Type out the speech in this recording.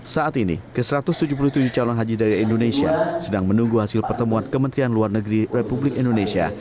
saat ini ke satu ratus tujuh puluh tujuh calon haji dari indonesia sedang menunggu hasil pertemuan kementerian luar negeri republik indonesia